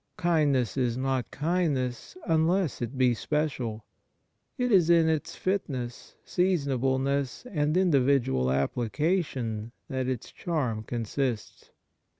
Kindness is not kindness unless it be special ; it is in its fitness, seasonableness, and individual application, that its charm consists.